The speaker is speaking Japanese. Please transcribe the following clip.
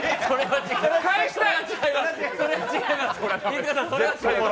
返したい！